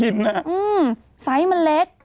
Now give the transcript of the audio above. ไซส์มันเล็ก